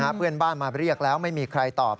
เพื่อนบ้านมาเรียกแล้วไม่มีใครตอบ